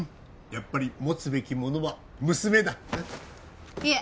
やっぱり持つべきものは娘だいえ